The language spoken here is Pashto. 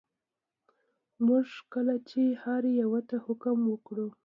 موږ کله چې هر یوه ته حکم وکړو.